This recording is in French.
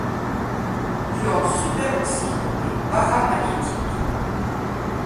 L'ion superoxyde est paramagnétique.